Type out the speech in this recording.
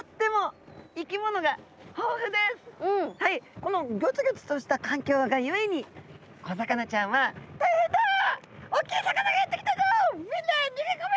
このギョツギョツとした環境がゆえに小魚ちゃんは「大変だ！おっきい魚がやって来たぞ。みんな逃げ込め！